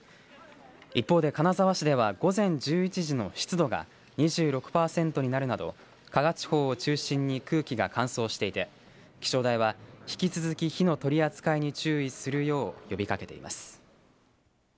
一方で金沢市では午前１１時の湿度が２６パーセントになるなど加賀地方を中心に空気が乾燥していて気象台は引き続き火の取り扱いに注意するよう呼びかけています。